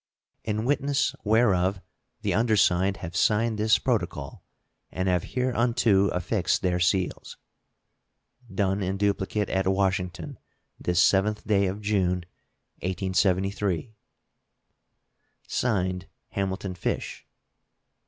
In witness whereof the undersigned have signed this protocol and have hereunto affixed their seals. Done in duplicate at Washington, this 7th day of June, 1873. [SEAL.] (Signed) HAMILTON FISH.